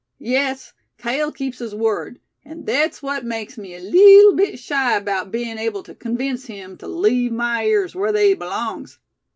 Yes, Cale keeps his word; an' thet's what makes me a leetle bit shy 'bout bein' able tew convince him tew leave my ears whar they belongs.